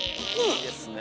いいですね。